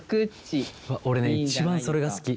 俺ね一番それが好き。